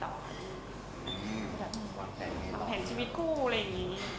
ทำแผนชีวิตคู่อะไรอย่างนี้